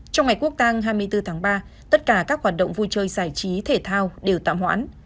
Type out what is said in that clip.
trong ngày quốc tàng hai mươi bốn tháng ba tất cả các hoạt động vui chơi giải trí thể thao đều tạm hoãn